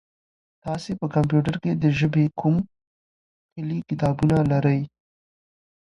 تاسي په کمپیوټر کي د ژبې کوم کلي کتابونه لرئ؟